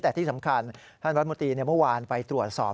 แต่ที่สำคัญท่านรัฐมนตรีเมื่อวานไปตรวจสอบ